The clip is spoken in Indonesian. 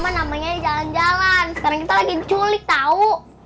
namanya jalan jalan sekarang kita lagi culik tahu